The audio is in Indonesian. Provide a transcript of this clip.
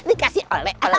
eh dikasih oleh oleh